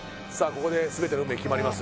ここで全ての運命決まります